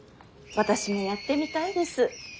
私もやってみたいです。